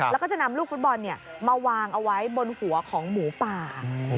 แล้วก็จะนำลูกฟุตบอลมาวางเอาไว้บนหัวของหมูป่า